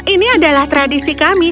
ini adalah tradisi kami